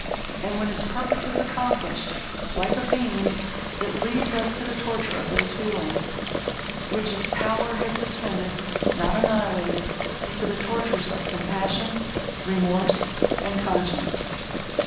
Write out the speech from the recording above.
And, when its purpose is accomplished, like a fiend, it leaves us to the torture of those feelings, which its power had suspended—not annihilated,—to the tortures of compassion, remorse, and conscience.